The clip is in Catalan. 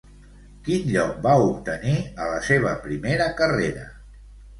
Quin lloc va obtenir a la seva primera carrera?